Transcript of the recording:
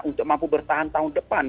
untuk mampu bertahan tahun depan